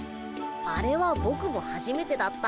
あれはボクもはじめてだった。